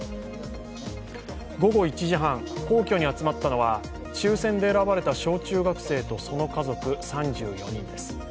午後１時半、皇居に集まったのは抽選で選ばれた小中学生とその家族３４人です。